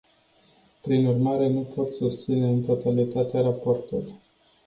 Prin urmare, nu pot susține în totalitate raportul.